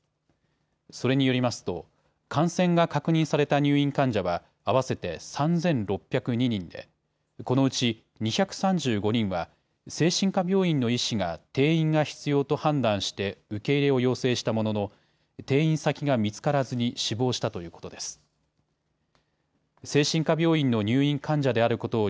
それによりますと感染が確認された入院患者は合わせて３６０２人でこのうち２３５人は精神科病院の医師が転院が必要と判断して受け入れを要請したものの転院先が見つからずに死亡したということです。